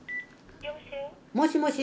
もしもし？